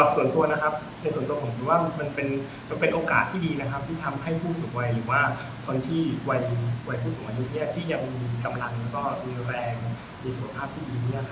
ส่วนตัวผมคิดว่ามันเป็นโอกาสที่ดีที่ทำให้ผู้สูงวัยหรือว่าคนที่วัยผู้สูงวัยยุคนี้ที่ยังมีกำลังและมีแรงในสภาพที่ดี